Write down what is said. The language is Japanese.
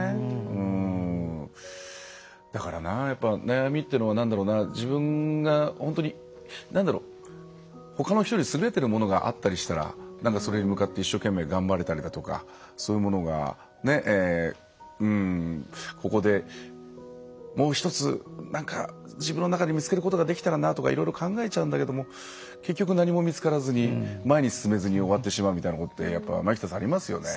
だからやっぱ悩みっていうのは自分が本当にほかの人より優れてるものがあったりしたらなんかそれに向かって一生懸命頑張れたりだとかそういうものがここでもう一つなんか自分の中で見つけることができたらなとかいろいろ考えちゃうんだけども結局何も見つからずに前に進めずに終わってしまうみたいなことって前北さんありますよね。